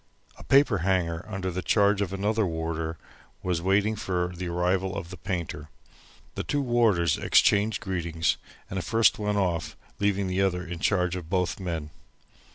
A paper hanger under the charge of another warder was waiting for the arrival of the painter. The two warders exchanged greetings, and the first went off leaving the other in charge of both men.